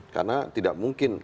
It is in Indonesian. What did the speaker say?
karena tidak mungkin